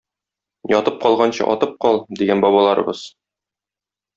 Ятып калганчы, атып кал, дигән бабаларыбыз.